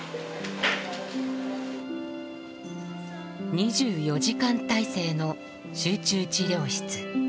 ２４時間体制の集中治療室。